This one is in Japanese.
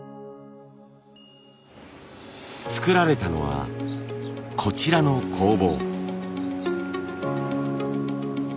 作られたのはこちらの工房。